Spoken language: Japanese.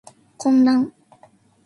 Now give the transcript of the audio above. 混乱